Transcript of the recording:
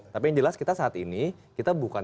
tapi yang jelas kita saat ini kita bukan